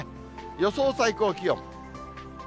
予想最高気温。